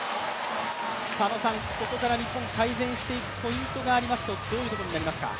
ここから日本、改善していくポイントがあるとするとどういうところになりますか？